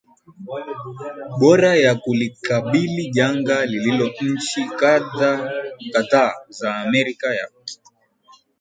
bora ya kulikabili janga hiloNchi kadhaa za Amerika ya Kusini zinasema